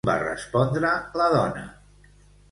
Com va respondre la dona?